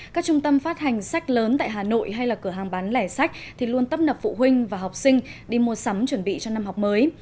các trung tâm phát hành sách lớn tại hà nội hay là cửa hàng bán lẻ sách thì luôn tấp nập phụ huynh và học sinh đi mua sắm chuẩn bị cho năm học mới